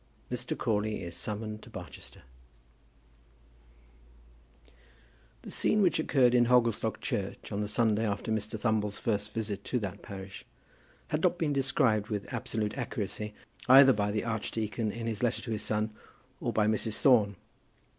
MR. CRAWLEY IS SUMMONED TO BARCHESTER. The scene which occurred in Hogglestock church on the Sunday after Mr. Thumble's first visit to that parish had not been described with absolute accuracy either by the archdeacon in his letter to his son, or by Mrs. Thorne.